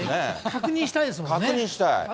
確認したい。